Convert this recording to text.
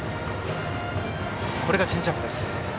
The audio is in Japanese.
これがチェンジアップ。